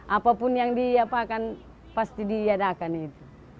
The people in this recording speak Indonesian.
apapun yang diapakan pasti diadakan itu